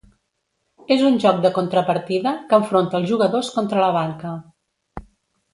És un joc de contrapartida que enfronta els jugadors contra la banca.